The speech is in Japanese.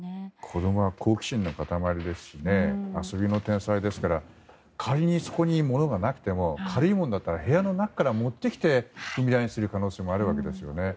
子供は好奇心の塊ですし遊びの天才ですから仮にそこに物がなくても軽いものだったら部屋の中から持ってきて踏み台にする可能性もあるわけですよね。